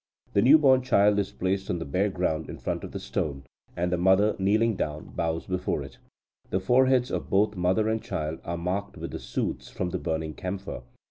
The new born child is placed on the bare ground in front of the stone, and the mother, kneeling down, bows before it. The foreheads of both mother and child are marked with the soots from the burning camphor.